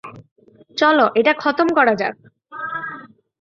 চলো, এটা খতম করা যাক।